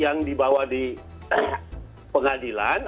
yang dibawa di pengadilan